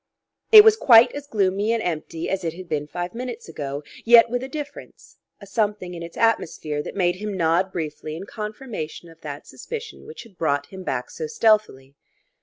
It was quite as gloomy and empty as it had been five minutes ago, yet with a difference, a something in its atmosphere that made him nod briefly in confirmation of that suspicion which had brought him back so stealthily.